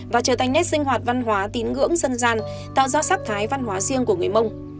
và trở thành nét sinh hoạt văn hóa tín ngưỡng dân gian tạo ra sắc thái văn hóa riêng của người mông